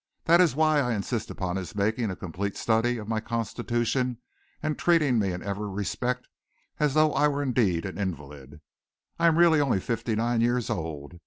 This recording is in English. That is why I insist upon his making a complete study of my constitution and treating me in every respect as though I were indeed an invalid. I am really only fifty nine years old.